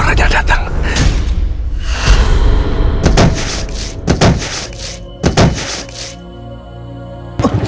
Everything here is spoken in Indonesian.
nggak usah nunggu besok